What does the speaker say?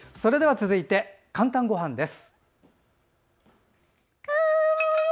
続いて、「かんたんごはん」です。